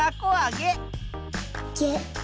げ。